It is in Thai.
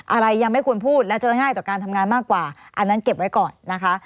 อะไรยังไม่ควรพูดและจะง่ายต่อการทำงานมากกว่าอันนั้นเก็บไว้ก่อนนะคะ